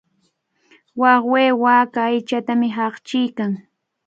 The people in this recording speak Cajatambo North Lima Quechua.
Wawqii waaka aychatami haqchiykan.